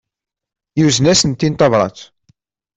Yuzen-asent-in tabrat.